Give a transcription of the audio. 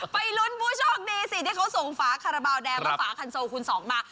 ไปลุ้นผู้โชคดีสิที่เขาส่งฝาคาราบาลแดงและฝาคันโซคูณสองมา